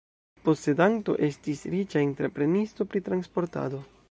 Posedanto estis riĉa entreprenisto pri transportado.